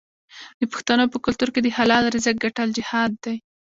د پښتنو په کلتور کې د حلال رزق ګټل جهاد دی.